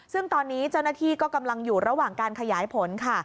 ซึ่งตอนนี้เจ้าหน้าที่ก็กำลังอยู่ระหว่างการขยายผลค่ะ